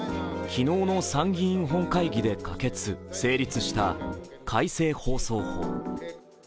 昨日の参議院本会議で可決・成立した改正放送法。